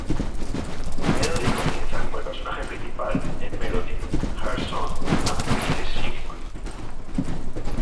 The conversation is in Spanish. Melody comienza como el personaje principal en "Melody", "Heart Song" y "Unfinished Symphony".